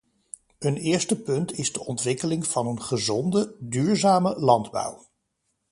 Een eerste punt is de ontwikkeling van een gezonde, duurzame landbouw.